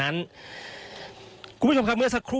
อันนี้คือเต็มร้อยเปอร์เซ็นต์แล้วนะครับ